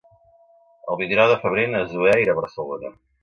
El vint-i-nou de febrer na Zoè irà a Barcelona.